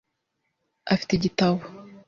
Afite igitabo .